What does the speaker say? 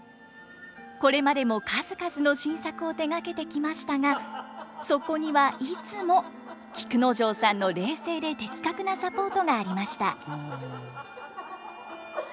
これまでも数々の新作を手がけてきましたがそこにはいつも菊之丞さんの冷静で的確なサポートがありました。